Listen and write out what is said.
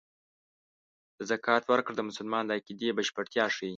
د زکات ورکړه د مسلمان د عقیدې بشپړتیا ښيي.